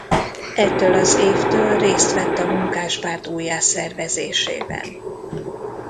Ettől az évtől részt vett a Munkáspárt újjászervezésében.